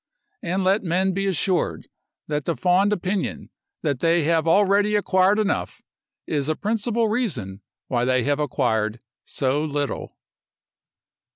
And let men be assured that the fond opinion that they have already acquired enough, is a principal reason why they have acquired so little.